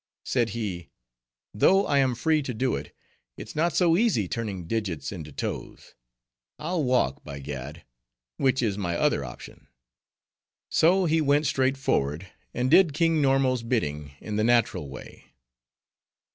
Said he, 'Though I am free to do it, it's not so easy turning digits into toes; I'll walk, by gad! which is my other option.' So he went straight forward, and did King Normo's bidding in the natural way."